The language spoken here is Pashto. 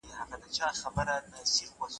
زوم دي تر واده مخکي ځان نه بدخابه کوي.